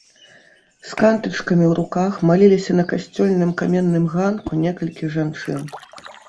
З кантычкамі ў руках маліліся на касцельным каменным ганку некалькі жанчын.